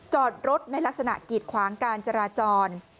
จอดรถในลักษณะกีดขวางการจราจร